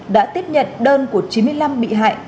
đã tiếp nhận đơn của chín mươi năm bị hại